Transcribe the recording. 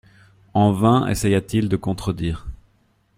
En vain essaya-t-il de contredire.